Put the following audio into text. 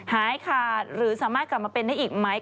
หายขาดหรือสามารถกลับมาเป็นได้อีกไหม